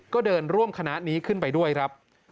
ก็เดินร่วมคณะนี้ขึ้นไปด้วยครับ